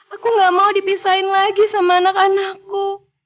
aku gak mau dipisahin lagi sama anak anakku